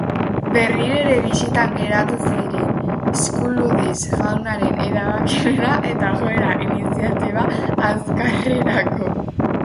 Berriro ere bistan geratu ziren Skuludis jaunaren erabakimena eta joera iniziatiba azkarrerako.